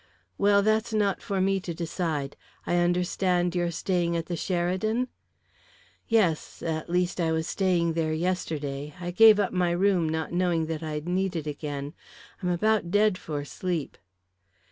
"Well, that's not for me to decide. I understand you're staying at the Sheridan?" "Yes at least, I was staying there yesterday. I gave up my room, not knowing that I'd need it again. I'm about dead for sleep."